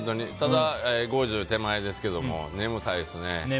ただ、５０手前ですけど眠たいですね。